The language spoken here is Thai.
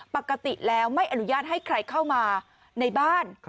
ปกติแล้วไม่อนุญาตให้ใครเข้ามาในบ้าน